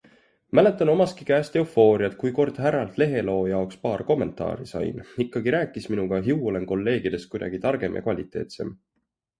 Mäletan omastki käest eufooriat, kui kord härralt leheloo jaoks paar kommentaari sain - ikkagi rääkis minuga, ju olen kolleegidest kuidagi targem ja kvaliteetsem!